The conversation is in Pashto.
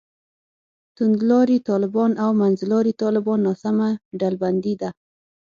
توندلاري طالبان او منځلاري طالبان ناسمه ډلبندي ده.